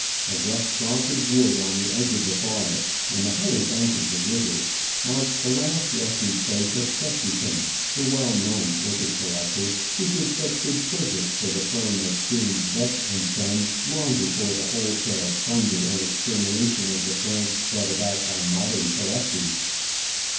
A rough cross of wood on the edge of the forest, on the higher bank of the river, marks the last resting place of Chesterton, the well known orchid collector, who did such good service for the firm of James Veitch and Sons, long before the wholesale plunder and extermin ation of the plants brought about by modern collectors.